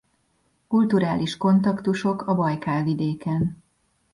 Kulturális kontaktusok a Bajkál-vidéken.